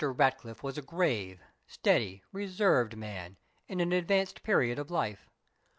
Ratcliffe was a grave, steady, reserved man, in an advanced period of life.